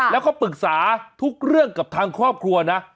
แล้วเขาปรึกษาทุกเรื่องกับทางครอบครัวนะ